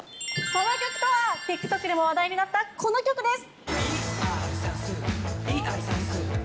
その曲とは、ＴｉｋＴｏｋでも話題になったこの曲です。